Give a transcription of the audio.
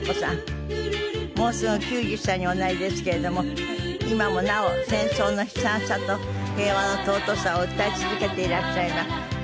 もうすぐ９０歳におなりですけれども今もなお戦争の悲惨さと平和の尊さを訴え続けていらっしゃいます。